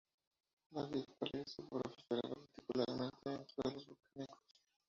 La vid parece prosperar particularmente en suelos volcánicos.